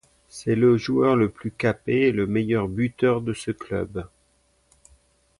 C'est le joueur le plus capé et le meilleur buteur de ce club.